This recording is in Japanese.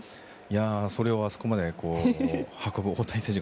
それをあそこまで運ぶ大谷選手